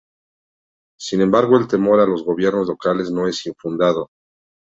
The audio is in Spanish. Sin embargo el temor a los gobiernos locales no es infundado.